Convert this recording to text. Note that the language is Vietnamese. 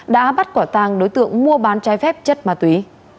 đã bắt quả tàng đối tượng mua bán trái phép chất ma túy